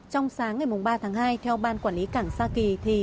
trong sáng ngày ba tháng hai theo ban quản lý cảng sa kỳ